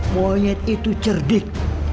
monyet itu cerdik